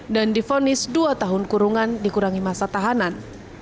dan difonis dua tahun kurungan dikurangi masa tahanan